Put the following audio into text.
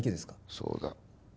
そうだ